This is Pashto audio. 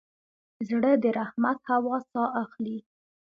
زړه د رحمت هوا ساه اخلي.